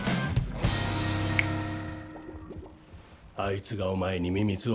あいつがお前にミミズを。